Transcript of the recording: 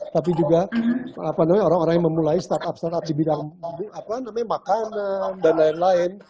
tapi juga orang orang yang memulai startup startup di bidang makanan dan lain lain